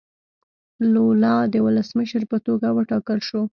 لولا د ولسمشر په توګه وټاکل شو.